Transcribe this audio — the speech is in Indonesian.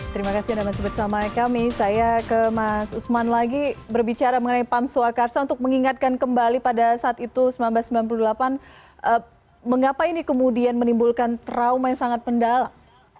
terima kasih anda masih bersama kami saya ke mas usman lagi berbicara mengenai pam swakarsa untuk mengingatkan kembali pada saat itu seribu sembilan ratus sembilan puluh delapan mengapa ini kemudian menimbulkan trauma yang sangat mendalam